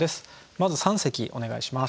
まず三席お願いします。